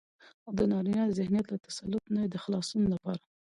او دنارينه ذهنيت له تسلط نه يې د خلاصون لپاره